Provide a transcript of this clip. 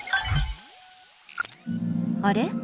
あれ？